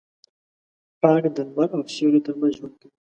پاڼې د لمر او سیوري ترمنځ ژوند کوي.